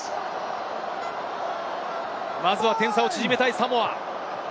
まずは点差を縮めたいサモア。